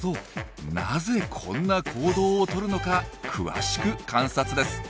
なぜこんな行動をとるのか詳しく観察です。